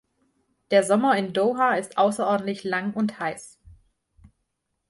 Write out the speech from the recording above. Der Sommer in Doha ist außerordentlich lang und heiß.